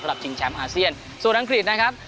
ชิงแชมป์อาเซียนส่วนอังกฤษนะครับ